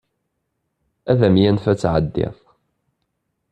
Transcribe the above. Ad am-yanef ad tɛeddiḍ.